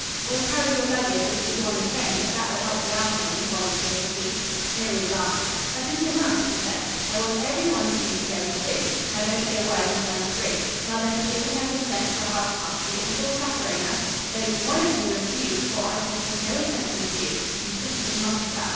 "We'll carry your luggage and put you on the train, if that will help you out any," volunteered Hippy. Miriam laughed. "That isn't enough," she said. "I want every one of you to go, too, Now don't say a word until I'm through. Mother has given her consent to a house party, and will chaperon us. Don't one of you refuse, for I shall pay no attention to you. You simply must come.